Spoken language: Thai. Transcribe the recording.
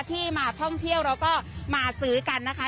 ที่มาท่องเที่ยวแล้วก็มาซื้อกันนะคะ